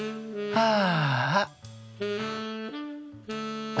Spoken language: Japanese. ああ。